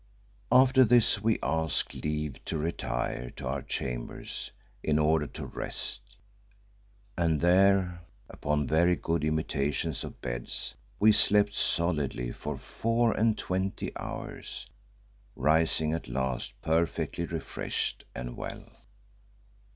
After this we asked leave to retire to our chamber in order to rest, and there, upon very good imitations of beds, we slept solidly for four and twenty hours, rising at last perfectly refreshed and well.